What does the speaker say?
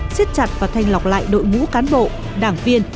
xiết chặt và thanh lọc lại đội ngũ cán bộ đảng viên